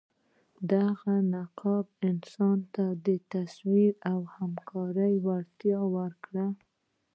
دغه انقلاب انسان ته د تصور او همکارۍ وړتیا ورکړه.